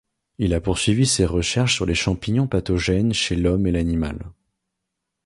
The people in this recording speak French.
Il a poursuivi ses recherches sur les champignons pathogènes chez l'homme et l'animal.